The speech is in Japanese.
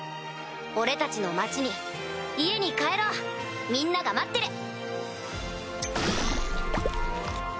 俺たちの町に家に帰ろうみんなが待ってる！